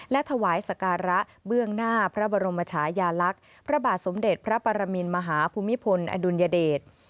และถวายสการะเบื้องหน้าพระบรมชายาลักษณ์พระบาทสมเด็จพระปรมินมหาภูมิพลอดุลยเดช